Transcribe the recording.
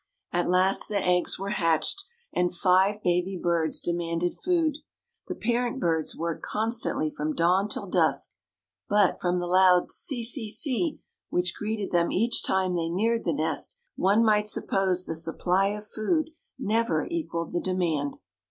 At last the eggs were hatched and five baby birds demanded food. The parent birds worked constantly from dawn till dark, but, from the loud "ce ce ce" which greeted them each time they neared the nest, one might suppose the supply of food never equaled the demand.